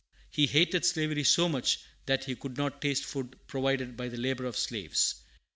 He hated slavery so much that he could not taste food provided by the labor of slaves."